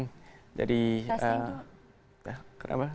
testing itu kenapa